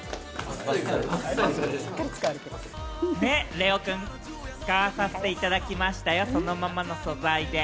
ＬＥＯくん、使わさせていただきましたよ、そのままの素材で。